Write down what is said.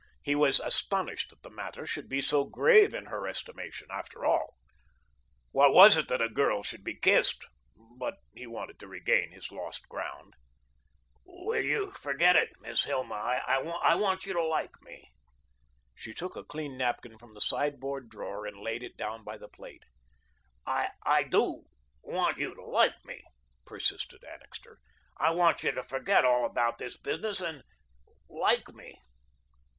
He was astonished that the matter should be so grave in her estimation. After all, what was it that a girl should be kissed? But he wanted to regain his lost ground. "Will you forget it, Miss Hilma? I want you to like me." She took a clean napkin from the sideboard drawer and laid it down by the plate. "I I do want you to like me," persisted Annixter. "I want you to forget all about this business and like me."